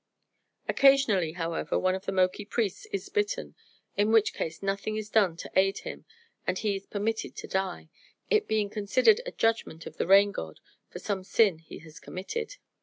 Occasionally, however, one of the Moki priests is bitten, in which case nothing is done to aid him and he is permitted to die, it being considered a judgment of the Rain God for some sin he has committed.